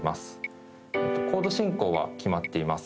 コード進行は決まってます